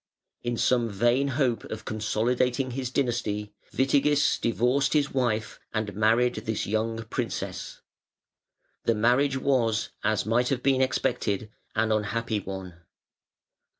In some vain hope of consolidating his dynasty, Witigis divorced his wife and married this young princess. The marriage was, as might have been expected, an unhappy one.